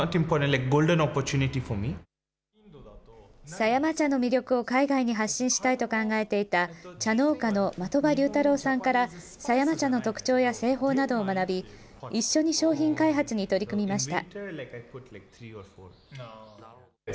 狭山茶の魅力を海外に発信したいと考えていた茶農家の的場龍太郎さんから、狭山茶の特徴や製法などを学び、一緒に商品開発に取り組みました。